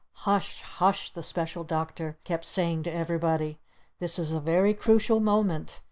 "Hush Hush!" the Special Doctor kept saying to everybody. "This is a very crucial moment!